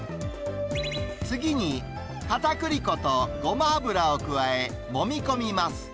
次に、かたくり粉とごま油を加え、もみ込みます。